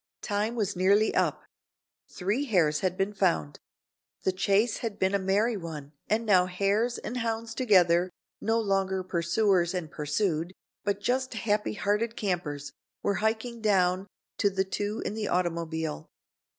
Time was nearly up. Three hares had been found. The chase had been a merry one and now hares and hounds together, no longer pursuers and pursued, but just happy hearted campers were hiking down to the two in the automobile.